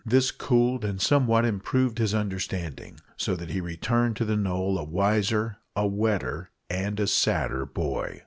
This cooled and somewhat improved his understanding, so that he returned to the knoll a wiser, a wetter, and a sadder boy.